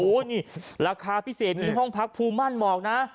นี่ราคาพิเศษมีห้องพักภูมิมั่นหมอกนะ